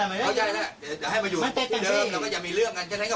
ไอ้ที่ตุ๊บรถไม่ใช่ผมไม่ใช่เรานะ